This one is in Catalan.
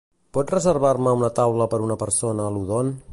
Pots reservar-me taula per una persona a l'Udon?